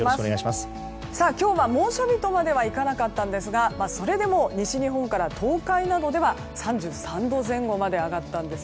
今日は猛暑日とまではいかなかったんですがそれでも西日本から東海などでは３３度前後まで上がったんです。